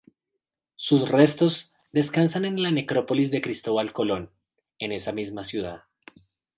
Sus restos descansan en la Necrópolis de Cristóbal Colón, en esa misma ciudad.